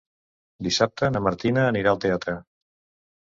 Dissabte na Martina anirà al teatre.